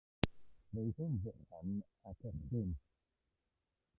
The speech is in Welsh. Roedd hi'n fychan ac yn chwim.